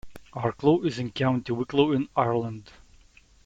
Arklow is in County Wicklow in Ireland.